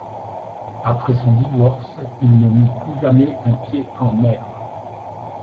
Après son divorce il ne mit plus jamais un pied en mer.